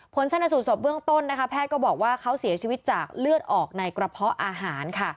ผลชนสูตรศพเบื้องต้นแพทย์ก็บอกว่าเขาเสียชีวิตจากเลือดออกในกระเพาะอาหารค่ะ